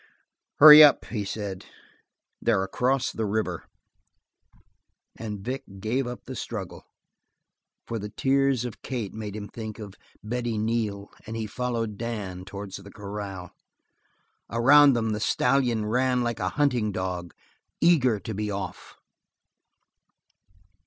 "Hurry up," he said. "They're across the river." And Vic gave up the struggle, for the tears of Kate made him think of Betty Neal and he followed Dan towards the corral. Around them the stallion ran like a hunting dog eager to be off.